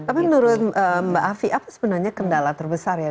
tapi menurut mbak afi apa sebenarnya kendala terbesar ya